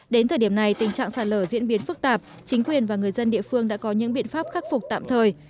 đến thời điểm này tình trạng sạt lở diễn biến phức tạp chính quyền và người dân địa phương đã có những biện pháp khắc phục tạm thời